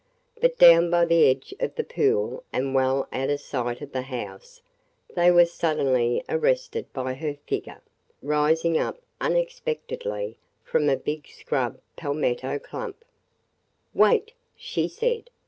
But down by the edge of the pool and well out of sight of the house they were suddenly arrested by her figure, rising up unexpectedly from a big scrub palmetto clump. "Wait!" she said.